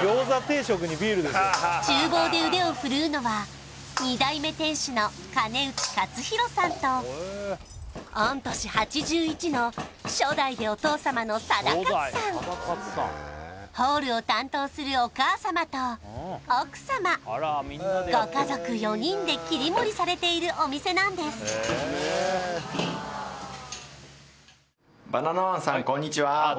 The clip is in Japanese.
厨房で腕を振るうのは２代目店主の金内勝弘さんと御年８１の初代でお父様の定勝さんホールを担当するお母様と奥様ご家族４人で切り盛りされているお店なんですこんにちは